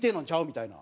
みたいな。